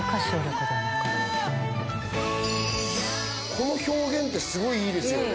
この表現ってスゴいいいですよね